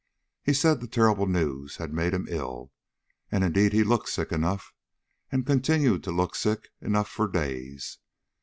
He said the terrible news had made him ill, and indeed he looked sick enough, and continued to look sick enough for days.